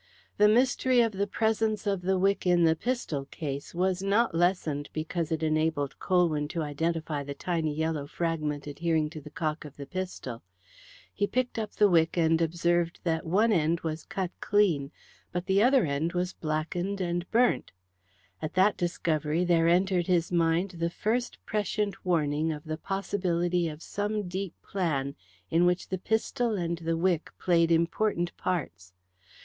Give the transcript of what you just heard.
The mystery of the presence of the wick in the pistol case was not lessened because it enabled Colwyn to identify the tiny yellow fragment adhering to the cock of the pistol. He picked up the wick and observed that one end was cut clean, but the other end was blackened and burnt. At that discovery there entered his mind the first prescient warning of the possibility of some deep plan in which the pistol and the wick played important parts.